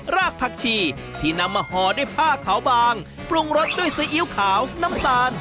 รากผักชีที่นำมาห่อด้วยผ้าขาวบางปรุงรสด้วยซีอิ๊วขาวน้ำตาล